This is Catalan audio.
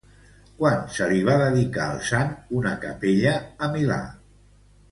Quan se li va dedicar al sant una capella a Milà?